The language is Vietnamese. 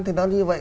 thì nó như vậy